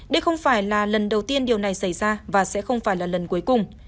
đây không phải là lần đầu tiên điều này xảy ra và sẽ không phải là lần cuối cùng